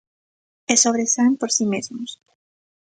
E sobresaen por si mesmos.